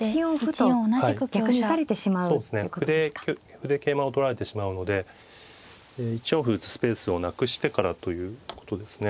歩で桂馬を取られてしまうので１四歩打つスペースをなくしてからということですね。